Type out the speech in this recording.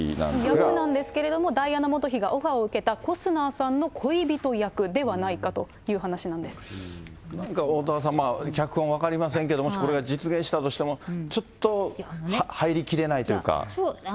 役なんですけども、ダイアナ元妃がオファーを受けたケビン・コスナーさんの恋人役ではないかという話なんなんかおおたわさん、脚本分かりませんけども、これが実現したとしてもちょっと入りきれないというか。